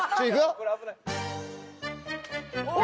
お。